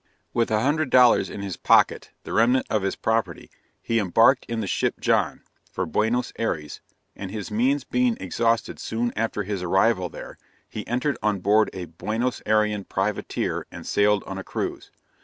With a hundred dollars in his pocket, the remnant of his property, he embarked in the ship John, for Buenos Ayres, and his means being exhausted soon after his arrival there, he entered on board a Buenos Ayrean privateer and sailed on a cruise.